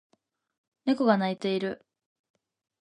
猫が鳴いている